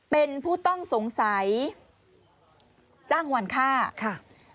เป็นผู้ต้องสงสัยจ้างวันฆ่าค่ะ